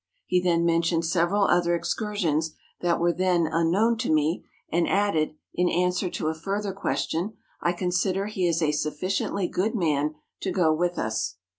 He then mentioned several other excursions that were then unknown to me, and added, in answer to a further question, ^ I consider he is a sufficiently good man to go with us.